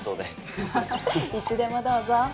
ハハハいつでもどうぞ。